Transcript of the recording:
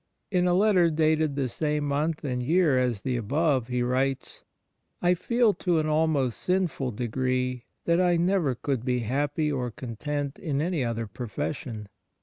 In a letter dated the same month and year as the above, he writes :' I feel to an almost sinful degree that I I — 2 4 Memoir of Father Faber never could be happy or content in any other profession.